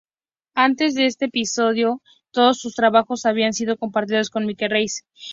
Antes de este episodio, todos sus trabajos habían sido compartidos con Mike Reiss.